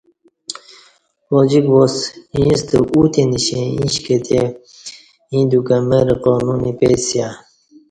اوجِک واس اِیݩستہ اُتی نشیں اِیݩش کہ تی ییں دیوکہ مرہ قانون اپئیسیہ